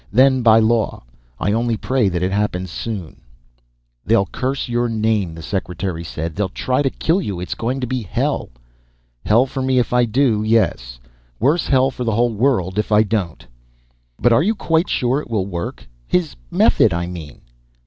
Then by law. I only pray that it happens soon." "They'll curse your name," the Secretary said. "They'll try to kill you. It's going to be hell." "Hell for me if I do, yes. Worse hell for the whole world if I don't." "But are you quite sure it will work? His method, I mean?"